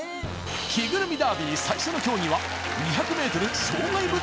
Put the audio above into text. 着ぐるみダービー最初の競技は２００ｍ障害物